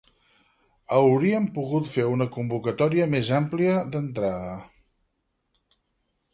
Hauríem pogut fer una convocatòria més àmplia, d’entrada.